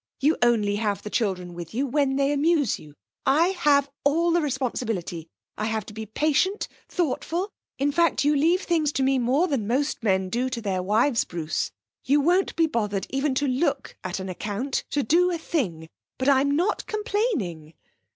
You only have the children with you when they amuse you. I have all the responsibility; I have to be patient, thoughtful in fact, you leave things to me more than most men do to their wives, Bruce. You won't be bothered even to look at an account to do a thing. But I'm not complaining.'